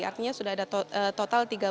artinya sudah ada total